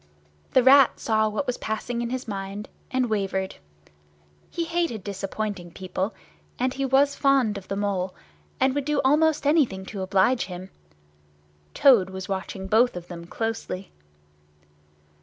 The Rat saw what was passing in his mind, and wavered. He hated disappointing people, and he was fond of the Mole, and would do almost anything to oblige him. Toad was watching both of them closely.